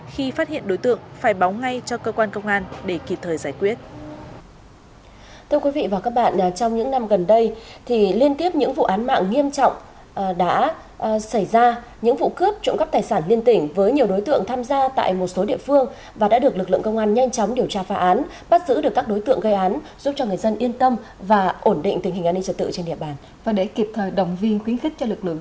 khi phát hiện đối tượng phải báo ngay cho cơ quan công an để kịp thời giải quyết